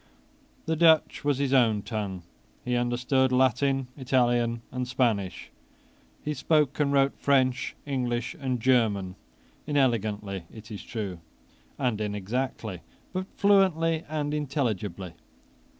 The Dutch was his own tongue. He understood Latin, Italian, and Spanish. He spoke and wrote French, English, and German, inelegantly, it is true, and inexactly, but fluently and intelligibly.